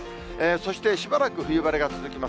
そして、しばらく冬晴れが続きます。